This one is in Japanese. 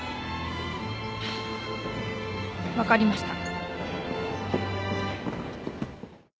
分かりました。